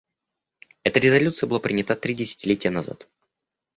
Эта резолюция была принята три десятилетия назад.